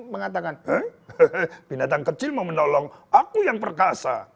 mengatakan binatang kecil mau menolong aku yang perkasa